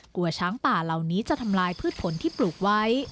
กลัวช้างป่าเหล่านี้จะทำลายพืชผลที่ปลูกไว้